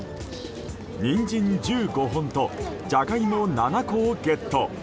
ニンジン１５本とジャガイモ７個をゲット。